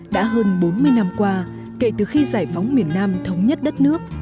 đã hơn bốn mươi năm qua kể từ khi giải phóng miền nam thống nhất đất nước